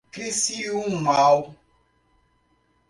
Crissiumal